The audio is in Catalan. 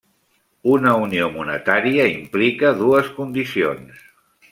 Una unió monetària implica dues condicions.